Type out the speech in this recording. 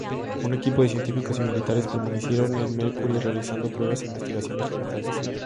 Un equipo de científicos y militares permanecieron en Mercury realizando pruebas e investigaciones limitadas.